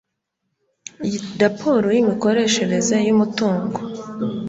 raporo y imikoreshereze y umutungo